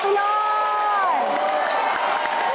ไปเลย